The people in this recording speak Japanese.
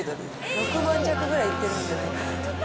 ６万弱ぐらいいってるんじゃないですか。